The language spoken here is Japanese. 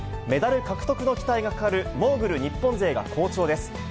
メダル獲得の期待がかかる、モーグル日本勢が好調です。